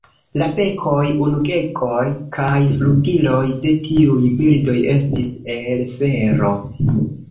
La bekoj, ungegoj kaj flugiloj de tiuj birdoj estis el fero.